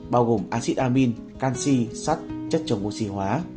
bao gồm acid amin canxi sắt chất chống oxy hóa